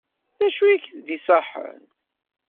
D acu i k-d-iṣaḥen?